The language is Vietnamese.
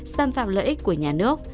xâm phạm lợi ích của nhà nước